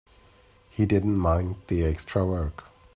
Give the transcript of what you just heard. He didn't mind the extra work.